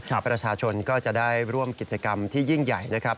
ประชาชนก็จะได้ร่วมกิจกรรมที่ยิ่งใหญ่นะครับ